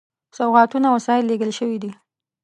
سوغاتونه او وسایل لېږل شوي دي.